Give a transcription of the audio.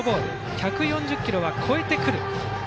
１４０キロは超えてくる。